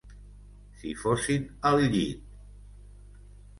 Si fossin al llit...